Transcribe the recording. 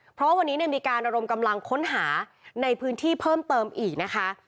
เพราะวันนี้มีการระดมกำลังค้นหาในพื้นที่เพิ่มเติมอีกนะคะ